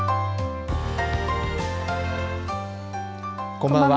こんばんは。